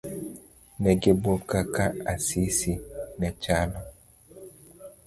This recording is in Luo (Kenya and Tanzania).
Negibuok kaka Asisi nechalo.